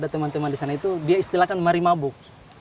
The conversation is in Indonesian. teman teman di sana itu dia istilahkan marimabuk